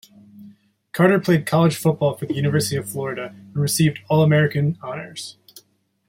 Carter played college football for the University of Florida, and received All-American honors.